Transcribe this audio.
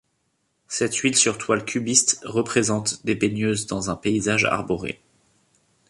Cette huile sur toile cubiste représente des baigneuses dans un paysage arboré.